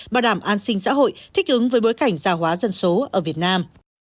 bảo đảm an sinh xã hội thích ứng với bối cảnh gia hóa dân số ở việt nam